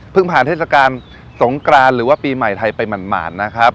ผ่านเทศกาลสงกรานหรือว่าปีใหม่ไทยไปหมานนะครับ